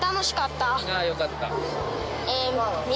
あよかった。